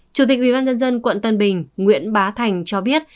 chủ tịch ubnd quận tân bình nguyễn bá thành cho biết